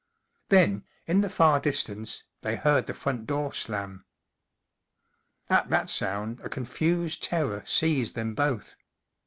T HEN, in the far distance, they heard the front door slam. At that sound a confused terror seized them both.